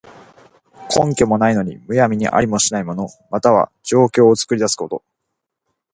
根拠もないのに、むやみにありもしない物、または情況を作り出すこと。